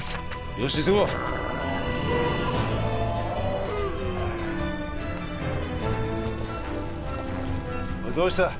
よし急ごうおいどうした？